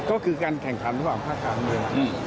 ก็คือการแข่งขันระหว่างภาคการเมือง